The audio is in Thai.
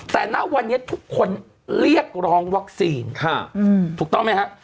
แต่ณวันนี้ทุกคนเรียกร้องวัคซีนถูกต้องไหมครับ